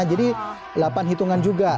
jadi delapan hitungan juga